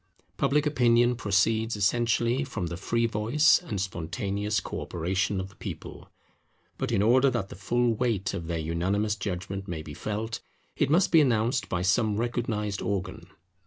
Public Opinion proceeds essentially from the free voice and spontaneous co operation of the people. But in order that the full weight of their unanimous judgment may be felt, it must be announced by some recognized organ.